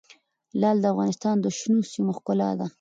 لعل د افغانستان د شنو سیمو ښکلا ده.